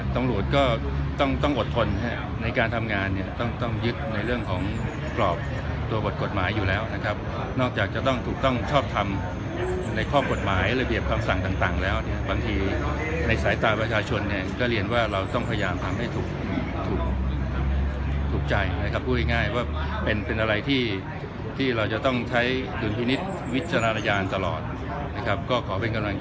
ตำรวจก็ต้องต้องอดทนในการทำงานเนี่ยต้องต้องยึดในเรื่องของกรอบตัวบทกฎหมายอยู่แล้วนะครับนอกจากจะต้องถูกต้องชอบทำในข้อกฎหมายระเบียบคำสั่งต่างแล้วเนี่ยบางทีในสายตาประชาชนเนี่ยก็เรียนว่าเราต้องพยายามทำให้ถูกถูกใจนะครับพูดง่ายว่าเป็นเป็นอะไรที่ที่เราจะต้องใช้ดุลพินิษฐ์วิจารณญาณตลอดนะครับก็ขอเป็นกำลัง